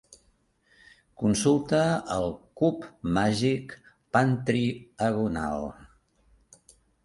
Consulta el cub màgic Pantriagonal.